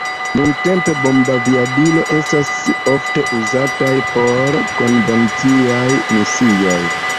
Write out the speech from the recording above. Nuntempe bombaviadiloj estas ofte uzataj por konvenciaj misioj.